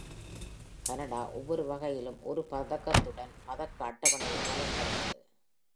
Canada ஒவ்வொரு வகையிலும் ஒரு பதக்கத்துடன் பதக்க அட்டவணையை வழிநடத்தியது.